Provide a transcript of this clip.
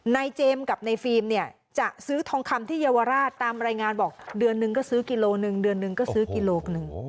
เจมส์กับในฟิล์มเนี่ยจะซื้อทองคำที่เยาวราชตามรายงานบอกเดือนนึงก็ซื้อกิโลหนึ่งเดือนหนึ่งก็ซื้อกิโลหนึ่ง